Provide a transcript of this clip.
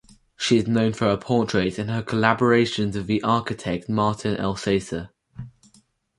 She is known for her portraits and her collaborations with the architect Martin Elsaesser.